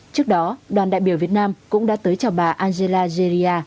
trước đó đoàn đại biểu việt nam cũng đã tới chào bà angela jeria